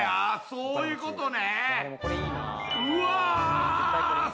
そういうことね！